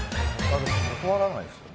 断らないですね。